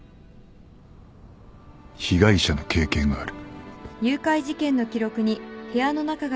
被害者の経験がある。